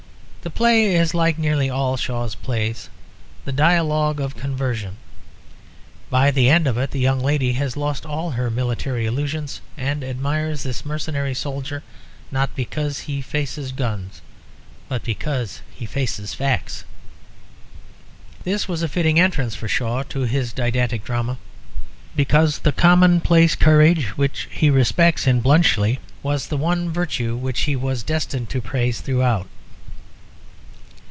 The play is like nearly all Shaw's plays, the dialogue of a conversion. By the end of it the young lady has lost all her military illusions and admires this mercenary soldier not because he faces guns, but because he faces facts. This was a fitting entrance for Shaw to his didactic drama; because the commonplace courage which he respects in Bluntschli was the one virtue which he was destined to praise throughout.